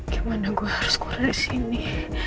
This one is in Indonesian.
gimana gua harus keluar dari sini